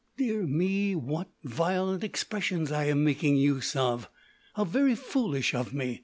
Dear me! What violent expressions I am making use of! How very foolish of me!